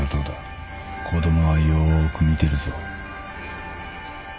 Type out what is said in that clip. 子供はよーく見てるぞ。